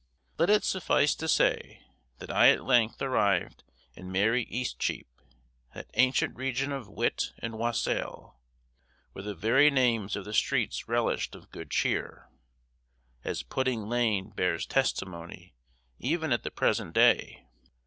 Let it suffice to say, that I at length arrived in merry Eastcheap, that ancient region of wit and wassail, where the very names of the streets relished of good cheer, as Pudding Lane bears testimony even at the present day.